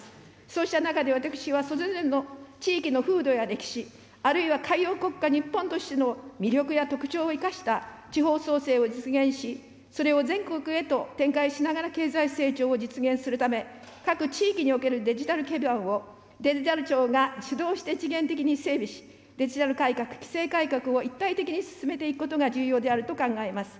そうした中で私は、それぞれの地域の風土や歴史、あるいは海洋国家日本としての魅力や特徴を生かした地方創生を実現し、それを全国へと展開しながら経済成長を実現するため、各地域におけるデジタル基盤をデジタル庁が主導して一元的に整備し、デジタル改革、規制改革を一体的に進めていくことが重要であると考えます。